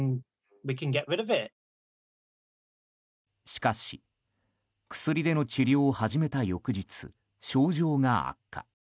しかし、薬での治療を始めた翌日、症状が悪化。